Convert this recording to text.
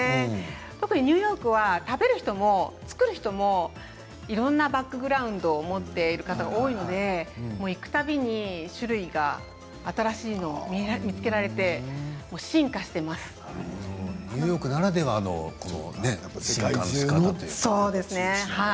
特にニューヨークは食べる人も作る人もいろいろなバックグラウンドを持っている方が多いので行くたびに種類が新しいものを見つけられてニューヨークならではの進化のしかたですよね。